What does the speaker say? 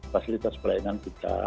fasilitas pelayanan kita